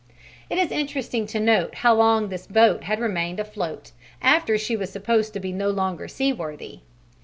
It is interesting to note how long this boat had remained afloat after she was supposed to be no longer seaworthy.